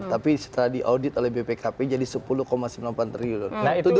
tapi setelah diaudit oleh bpkp jadi sepuluh sembilan puluh empat triliun